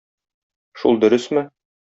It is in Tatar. Шул дөресме?